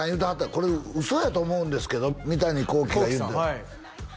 これ嘘やと思うんですけど三谷幸喜が言うてた幸喜さん